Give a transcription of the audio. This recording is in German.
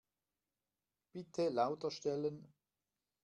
Bitte lauter stellen.